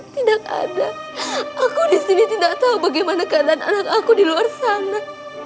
tidak ada aku di sini tidak tahu bagaimana keadaan anak aku di luar sana